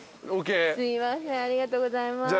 ありがとうございます。